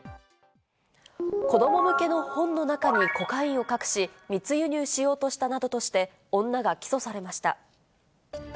子ども向けの本の中にコカインを隠し、密輸入したなどとして、女が起訴されました。